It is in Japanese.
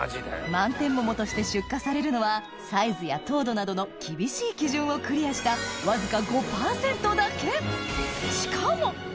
満天桃として出荷されるのはサイズや糖度などの厳しい基準をクリアしたマジですか。